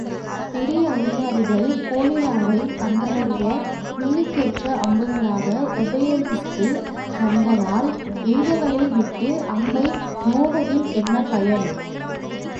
பெரிய அதிகாரிகள் போலிலாரைத் தங்களுடைய வில்லுக்கேற்ற அம்புகளாக உபயோகித்து வந்ததால், எய்தவரை விட்டு அம்பை நோவதில் என்ன பயன்?